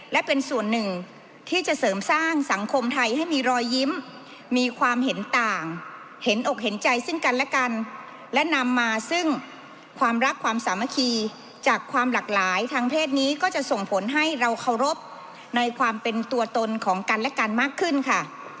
และเป็นส่วนหนึ่งที่จะเสริมสร้างสังคมไทยให้มีรอยยิ้มมีความเห็นต่างเห็นอกเห็นใจซึ่งกันและกันและนำมาซึ่งความรักความสามัคคีจากความหลากหลายทางเพศนี้ก็จะส่งผลให้เราเคารพในความเป็นตัวตนของกันและกันมากขึ้นค่ะ